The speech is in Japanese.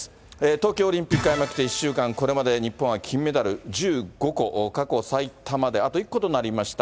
東京オリンピック開幕して１週間、これまで日本は金メダル１５個、過去最多まであと１個となりました。